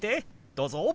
どうぞ。